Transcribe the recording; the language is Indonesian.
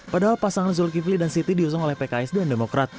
padahal pasangan zulkifli dan siti diusung oleh pks dan demokrat